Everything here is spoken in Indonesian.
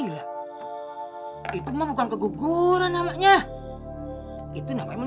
lastly ada yang lu keliatan kale kale